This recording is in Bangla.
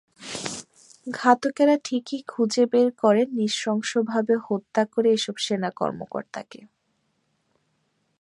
ঘাতকেরা ঠিকই খুঁজে বের করে নৃশংসভাবে হত্যা করে এসব সেনা কর্মকর্তাকে।